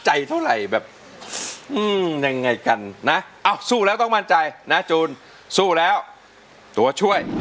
ใจเท่าไรแบบยังไงกันนะสู้แล้วต้องมั่นใจสู้แล้วตัวช่วย